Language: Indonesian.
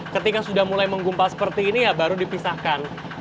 ketika sudah mulai menggumpal seperti ini ya baru dipisahkan